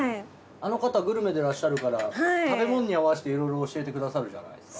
あの方グルメでいらっしゃるから食べ物に合わせていろいろ教えてくださるじゃないですか。